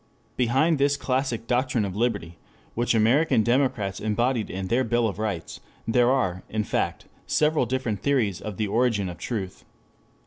Behind this classic doctrine of liberty, which American democrats embodied in their Bill of Rights, there are, in fact, several different theories of the origin of truth.